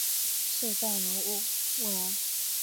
世代务农。